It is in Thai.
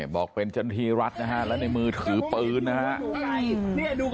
บอกเเป็นจังทีรัฐนะครับและในมือถือปืนนะครับ